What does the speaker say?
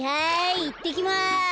いってきます！